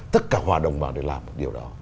tất cả hòa đồng vào để làm một điều đó